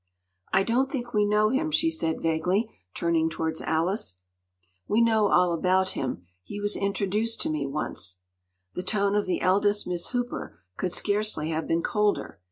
“I don’t think we know him,” she said vaguely, turning towards Alice. “We know all about him. He was introduced to me once.” The tone of the eldest Miss Hooper could scarcely have been colder.